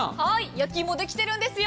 焼きいもできてるんですよ。